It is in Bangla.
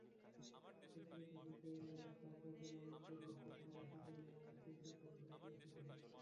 সত্তরের দশকে ঢাকা জেলার একজন বিস্মৃত মনীষীকে নিয়ে আমি কিঞ্চিৎ গবেষণা করেছিলাম।